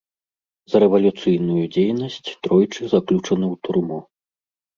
За рэвалюцыйную дзейнасць тройчы заключаны ў турму.